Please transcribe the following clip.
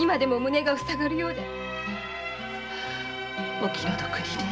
お気の毒にね。